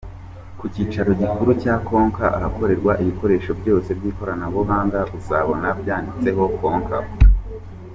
Ku cyicaro gikuru cya Konka ahakorerwa ibikoresho byose by'ikoranabuhanga uzabona byanditseho Konka.